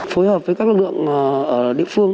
phối hợp với các lực lượng địa phương